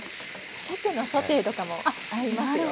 さけのソテーとかも合いますよ。